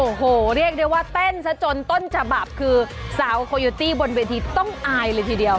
โอ้โหเรียกได้ว่าเต้นซะจนต้นฉบับคือสาวโคโยตี้บนเวทีต้องอายเลยทีเดียว